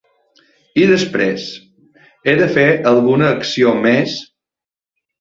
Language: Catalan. I després, he de fer alguna acció més?